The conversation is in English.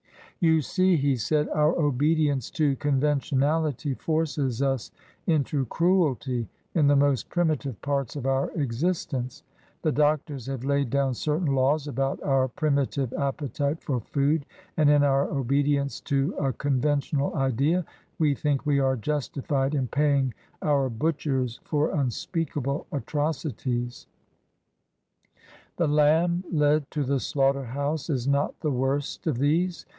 " You see," he said, " our obedience to conventionality forces us into cruelty in the most primitive parts of our existence. The doctors have laid down certain laws about our primitive appetite for food, and in our obedi ence to a conventional idea we think we are justified in paying our butchers for unspeakable atrocities: the lamb led to the slaughter house is not the worst of these.